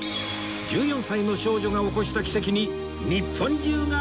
１４歳の少女が起こした奇跡に日本中が熱狂しました